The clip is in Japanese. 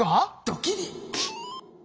ドキリ。